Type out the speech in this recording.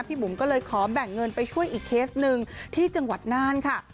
บุ๋มก็เลยขอแบ่งเงินไปช่วยอีกเคสหนึ่งที่จังหวัดน่านค่ะ